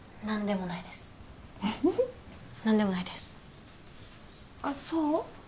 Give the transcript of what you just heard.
何でもないですあっそう？